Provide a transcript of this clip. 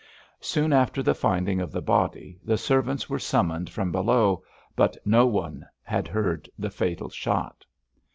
Soon after the finding of the body the servants were summoned from below, but no one had heard the fatal shot.